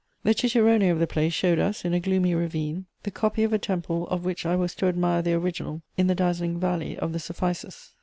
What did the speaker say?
The cicerone of the place showed us, in a gloomy ravine, the copy of a temple of which I was to admire the original in the dazzling valley of the Cephisus.